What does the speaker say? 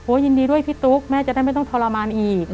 ยินดีด้วยพี่ตุ๊กแม่จะได้ไม่ต้องทรมานอีก